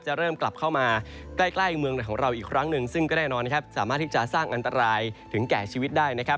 เริ่มกลับเข้ามาใกล้เมืองไหนของเราอีกครั้งหนึ่งซึ่งก็แน่นอนนะครับสามารถที่จะสร้างอันตรายถึงแก่ชีวิตได้นะครับ